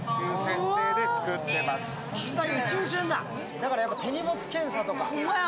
だから手荷物検査とか。